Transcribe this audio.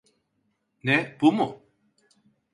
Ne, bu mu?